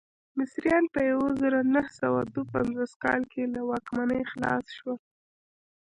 مصریان په یو زرو نهه سوه دوه پنځوس کال کې له واکمنۍ خلاص شول.